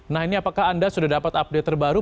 nah ini apakah anda sudah dapat update terbaru